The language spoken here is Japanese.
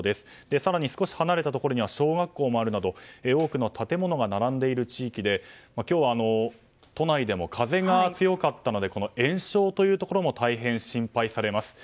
更に少し離れたところには小学校もあるなど多くの建物が並んでいる地域で今日は都内でも風が強かったので延焼というところも大変心配されます。